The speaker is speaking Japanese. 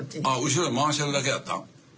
後ろに回してるだけやった？